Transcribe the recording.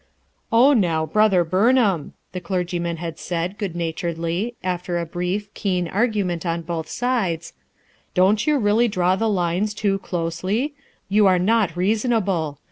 "0h ( now, brother Burnham," the clergyman had said, good naturedly, after a brief, keen ar gument on both sides: "Don't you really draw the lines too closely? You are not reasonable.